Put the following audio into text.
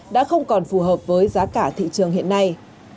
đã không còn phù hợp với giá cả thị trường hiện nay